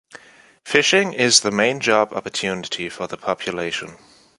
Fishing is the main job opportunity for the population.